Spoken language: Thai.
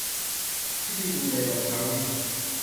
วิธีดูแลรองเท้าวิ่ง